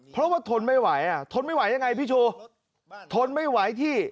เพราะว่าทนไม่ไหวอ่ะทนไม่ไหวยังไงพี่ชูทนไม่ไหวที่